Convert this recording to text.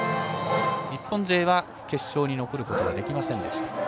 日本勢は決勝に残ることはできませんでした。